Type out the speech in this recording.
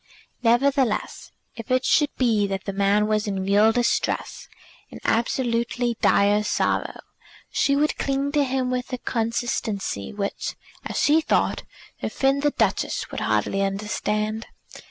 Nevertheless, if it should be that the man was in real distress, in absolutely dire sorrow, she would cling to him with a constancy which, as she thought, her friend the Duchess would hardly understand.